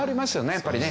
やっぱりね。